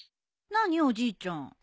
何おじいちゃん？